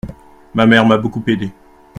Ma mère m’a beaucoup aidé.